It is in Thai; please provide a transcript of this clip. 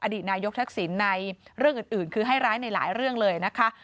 ดีตนายกทักษิณในเรื่องอื่นคือให้ร้ายในหลายเรื่องเลยนะคะ